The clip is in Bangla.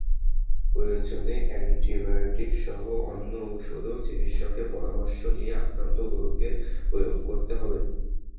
প্রয়োজনে অ্যান্টিবায়োটিকসহ অন্য ওষুধও চিকিৎসকের পরামর্শ নিয়ে আক্রান্ত গরুকে প্রয়োগ করতে হবে।